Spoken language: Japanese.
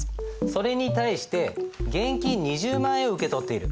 それに対して現金２０万円を受け取っている。